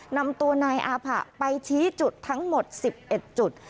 นำตัวนายอาผะไปชี้จุดทั้งหมด๑๑จุด